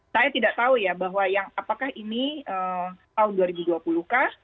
saya tidak tahu ya bahwa apakah ini tahun dua ribu dua puluh kah